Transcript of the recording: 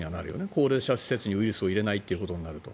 高齢者施設にウイルスを入れないということになると。